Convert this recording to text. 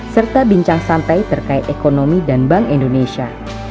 serta bincang santai terkait ekonomi dan bank indonesia